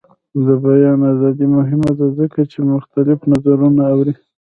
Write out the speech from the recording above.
د بیان ازادي مهمه ده ځکه چې مختلف نظرونه اوري.